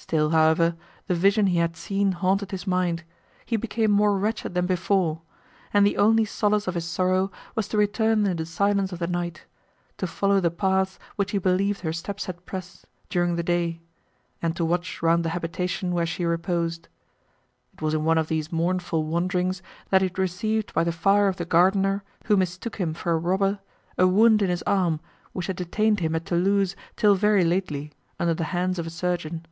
Still, however, the vision he had seen haunted his mind; he became more wretched than before, and the only solace of his sorrow was to return in the silence of the night; to follow the paths which he believed her steps had pressed, during the day; and, to watch round the habitation where she reposed. It was in one of these mournful wanderings, that he had received by the fire of the gardener, who mistook him for a robber, a wound in his arm, which had detained him at Thoulouse till very lately, under the hands of a surgeon.